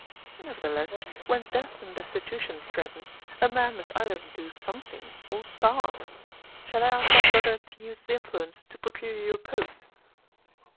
"Nevertheless, when death and destitution threaten, a man must either do something or starve. Shall I ask my brother to use his influence to procure you a post?"